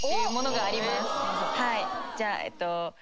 はいじゃあ。